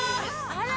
あら！